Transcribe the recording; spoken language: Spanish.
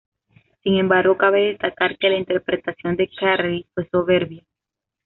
Sin embargo, cabe destacar que la interpretación de Carrey fue soberbia.